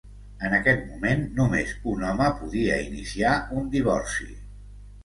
En aquest moment només un home podia iniciar un divorci.